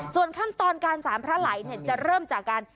ส่วนขั้นตอนการสารพระไหลจะเริ่มจากการ